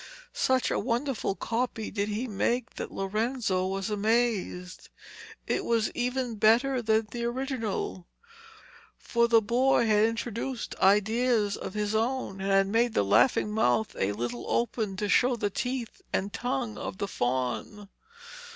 Such a wonderful copy did he make that Lorenzo was amazed. It was even better than the original, for the boy had introduced ideas of his own and had made the laughing mouth a little open to show the teeth and the tongue of the faun.